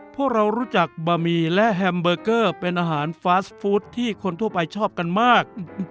พวกเรารู้จักบะหมี่และแฮมเบอร์เกอร์เป็นอาหารฟาสฟู้ดที่คนทั่วไปชอบกันมาก